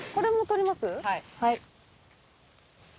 はい。